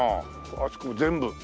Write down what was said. あそこ全部。